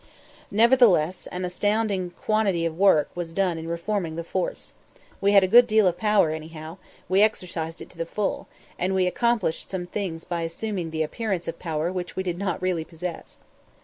Nevertheless, an astounding quantity of work was done in reforming the force. We had a good deal of power, anyhow; we exercised it to the full; and we accomplished some things by assuming the appearance of a power which we did not really possess.